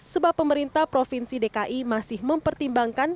sebab pemerintah provinsi dki masih mempertimbangkan